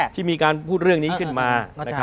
ที่มีการพูดเรื่องนี้ขึ้นมา